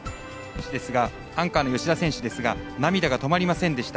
アンカーの吉田選手ですが涙が止まりませんでした。